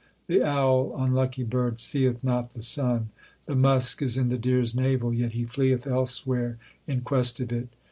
The owl, unlucky bird, seeth not the sun. The musk is in the deer s navel, yet he fleeth elsewhere in quest of it.